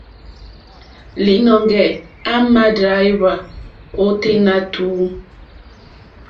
Līnɔ̄ŋgɛ̄ à mà dráíhwá ôténá tùú.